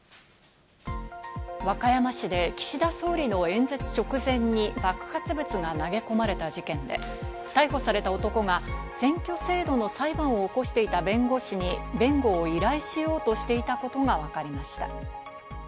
和歌山市で岸田総理の演説直前に爆発物が投げ込まれた事件で、逮捕された男が選挙制度の裁判を起こしていた弁護士に、弁護を依頼しようとしていたことがわかりました。